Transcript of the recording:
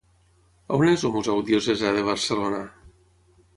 On és el Museu Diocesà de Barcelona?